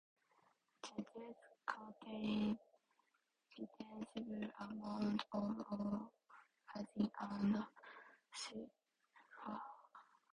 The jets contain detectable amounts of oxygen and sulfur.